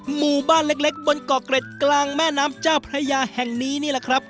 หมู่บ้านเล็กบนเกาะเกร็ดกลางแม่น้ำเจ้าพระยาแห่งนี้นี่แหละครับ